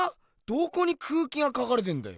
どこに空気が描かれてんだよ。